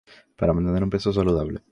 Para mantener un peso saludable